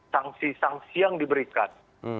sanksi sanksi yang diberikan